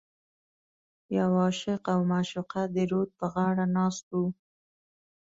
یو عاشق او معشوقه د رود په غاړه ناست و.